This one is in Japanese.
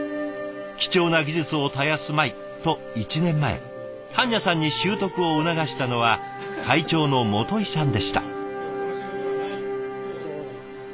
貴重な技術を絶やすまいと１年前盤若さんに習得を促したのは会長の元井さんでした。